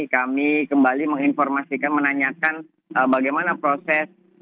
kami kembali menginformasikan menanyakan bagaimana proses